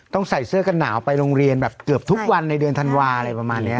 ใส่เสื้อกันหนาวไปโรงเรียนแบบเกือบทุกวันในเดือนธันวาอะไรประมาณนี้